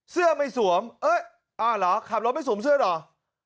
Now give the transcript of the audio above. เสื้อไม่สวมเอ้ยอ่าเหรอขับรถไม่สวมเสื้อเหรอ